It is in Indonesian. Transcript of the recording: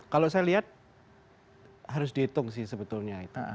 kalau saya lihat harus dihitung sih sebetulnya